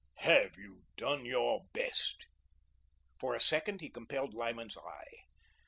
"Have you done your best?" For a second he compelled Lyman's eye.